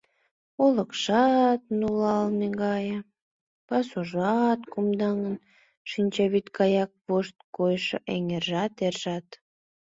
Олыкшат нулалме гане, пасужат кумдаҥын, шинчавӱд гаяк вошткойшо эҥержат, ержат.